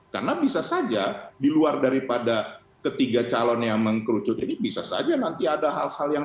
karena bisa saja diluar daripada ketiga calon yang mengkerucut jadi bisa saja nanti ada hal hal yang